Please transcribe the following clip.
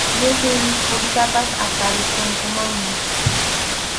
Llipin mikhuytapas aparikunkumanmi.